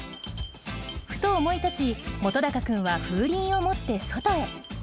ふと思い立ち本君は風鈴を持って外へ。